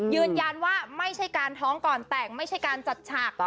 ยืนยันว่าไม่ใช่การท้องก่อนแต่งไม่ใช่การจัดฉาก